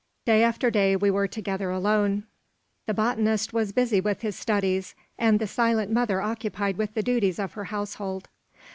Day after day we were together alone. The botanist was busy with his studies, and the silent mother occupied with the duties of her household.